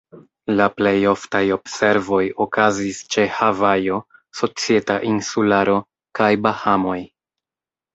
La plej oftaj observoj okazis ĉe Havajo, Societa Insularo, kaj Bahamoj.